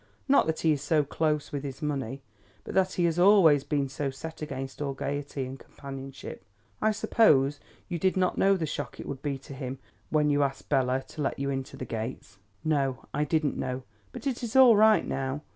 Not that he is so close with his money, but that he has always been so set against all gaiety and companionship. I suppose you did not know the shock it would be to him when you asked Bela to let you into the gates." "No! I didn't know. But it is all right now.